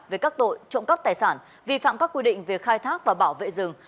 về các tội trộm cắp tài sản vi phạm các quy định về khai thác và bảo vệ rừng